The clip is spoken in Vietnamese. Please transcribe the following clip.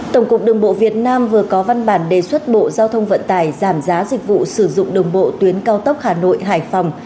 tổng cục đường bộ việt nam vừa có văn bản đề xuất bộ giao thông vận tải giảm giá dịch vụ sử dụng đường bộ tuyến cao tốc hà nội hải phòng